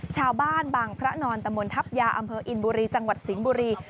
ชาวบ้านบางพระนอนตะมนทัพยาอำเภออินบุรีจังหวัดสิงห์บุรี